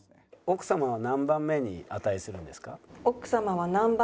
奥様は何番目に値するんですか？